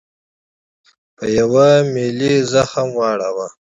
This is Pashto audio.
په یوه ملي زخم واړاوه.